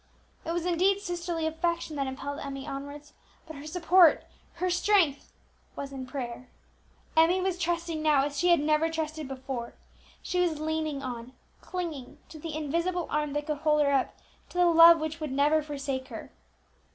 It was indeed sisterly affection that impelled Emmie onwards, but her support, her strength, was in prayer. Emmie was trusting now as she never had trusted before; she was leaning on, clinging to the invisible arm that could hold her up, to the love which would never forsake her.